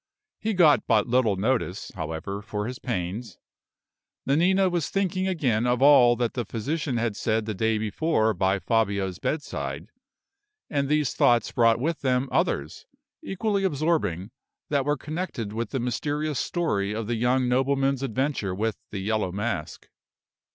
He got but little notice, however, for his pains. Nanina was thinking again of all that the physician had said the day before by Fabio's bedside, and these thoughts brought with them others, equally absorbing, that were connected with the mysterious story of the young nobleman's adventure with the Yellow Mask.